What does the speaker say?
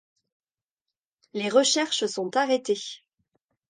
Les recherches sont arrêtées.